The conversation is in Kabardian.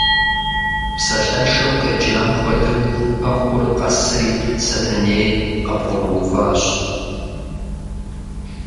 Псалъэншэу къеджам хуэдэу, пэхур къэсри Сэтэней къыбгъурыуващ.